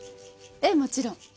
ええもちろん。